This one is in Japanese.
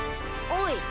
おい。